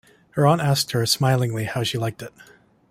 Her aunt asked her, smilingly, how she liked it.